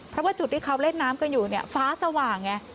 เพราะว่าจุดที่เขาเล่นน้ำกันอยู่เนี่ยฟ้าสว่างไง